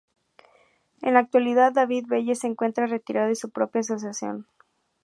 En la actualidad David Belle se encuentra retirado de su propia asociación.